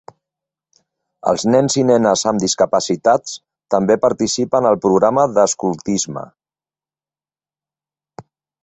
Els nens i les nenes amb discapacitats també participen al programa d'escoltisme.